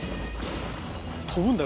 「飛ぶんだよ